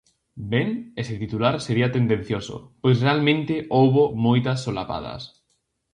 Ben, ese titular sería tendencioso, pois realmente houbo moitas solapadas.